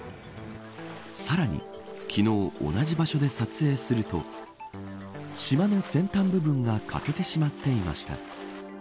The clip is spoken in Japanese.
さらに昨日同じ場所で撮影すると島の先端部分が欠けてしまっていました。